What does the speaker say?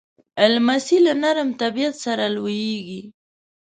لمسی له نرم طبیعت سره لویېږي.